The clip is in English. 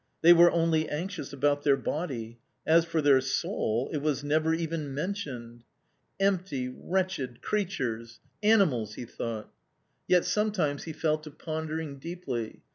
They were only anxious about their body — as for their soul — it was never even mentioned !" Empty, wretched creatures — 202 A COMMON STORY animals !" he thought. Yet sometimes he fell to pondering deeply.